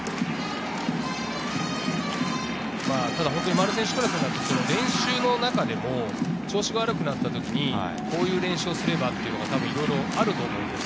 丸選手クラスになると、練習の中でも、調子が悪くなった時にこういう練習をすればというのがいろいろあると思うんです。